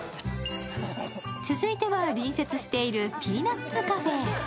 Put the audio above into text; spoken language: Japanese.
続いては隣接しているピーナッツカフェへ。